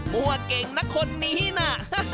มั่วเก่งนะคนนี้น่ะ